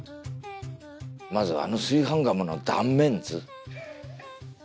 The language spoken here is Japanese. まずあの炊飯釜の断面図。